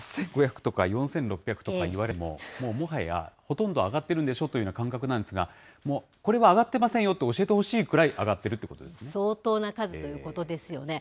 ８５００とか４６００とか言われても、もうもはや、ほとんど上がってるんでしょという感覚なんですが、もうこれは上がってませんよって教えてほしいくらい、相当な数ということですよね。